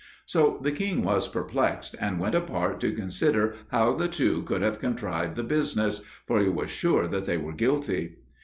So the king was perplexed, and went apart to consider how the two could have contrived the business for he was sure that they were guilty.